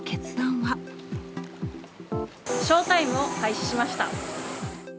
ショータイムを廃止しました。